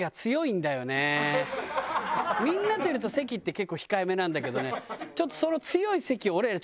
みんなといると関って結構控えめなんだけどねちょっとその。